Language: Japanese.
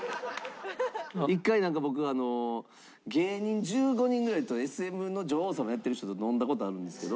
１回なんか僕あの芸人１５人ぐらいとＳＭの女王様やってる人と飲んだ事あるんですけど。